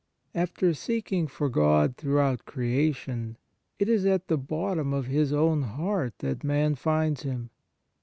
After seeking for God throughout creation, it is at the bottom of his own heart that man finds Him.